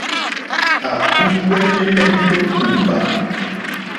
À úwɛ́lɛ́lɛ́ ndó kùmbà.